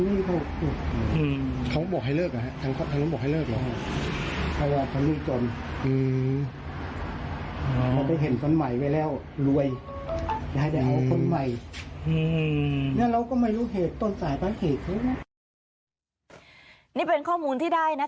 นี่ก็จะเป็นคุณตา